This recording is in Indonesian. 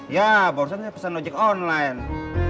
yah baru saja pesen ojek online